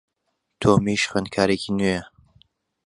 تۆمیش خوێندکارێکی نوێیە.